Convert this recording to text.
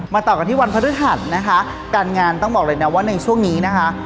ต่อกันที่วันพฤหัสนะคะการงานต้องบอกเลยนะว่าในช่วงนี้นะคะ